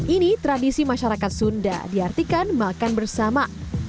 ini tradisi masyarakat sunda diartikan makan bersama